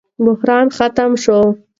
بحران ختم شو.